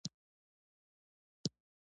د صبر لمن د بریا لاره ده.